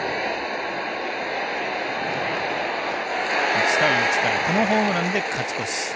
１対１からこのホームランで勝ち越し。